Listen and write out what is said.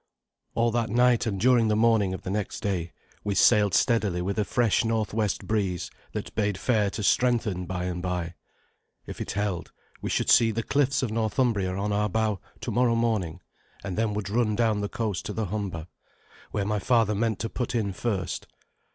All that night, and during the morning of the next day, we sailed steadily with a fresh northwest breeze that bade fair to strengthen by and by. If it held, we should see the cliffs of Northumbria on our bow tomorrow morning, and then would run down the coast to the Humber, where my father meant to put in first.